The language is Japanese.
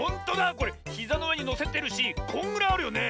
これひざのうえにのせてるしこんぐらいあるよね？